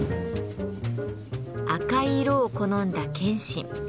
赤い色を好んだ謙信。